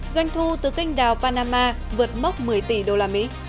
doanh thu từ kênh đào panama vượt mốc một mươi tỷ usd